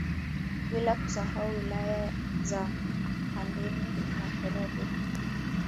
Bila kusahau wilaya za Handeni na Korogwe